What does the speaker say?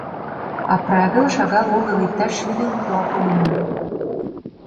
А правил шагал огыл, иктаж шӱдӧ утла погына.